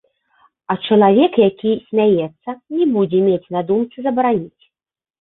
А чалавек, які смяецца, не будзе мець на думцы забараніць.